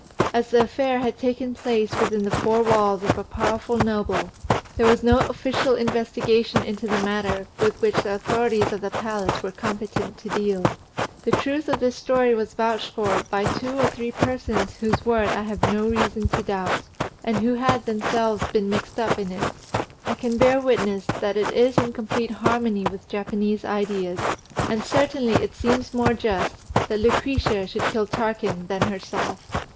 As the affair had taken place within the four walls of a powerful noble, there was no official investigation into the matter, with which the authorities of the palace were competent to deal. The truth of this story was vouched for by two or three persons whose word I have no reason to doubt, and who had themselves been mixed up in it; I can bear witness that it is in complete harmony with Japanese ideas; and certainly it seems more just that Lucretia should kill Tarquin than herself.